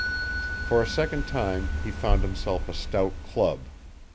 For a second time he found himself a stout club.